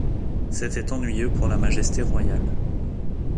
C’était ennuyeux pour la majesté royale.